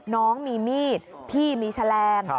น้องมีมีดพี่มีแฉลง